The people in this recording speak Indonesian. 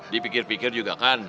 dipikir pikir juga kan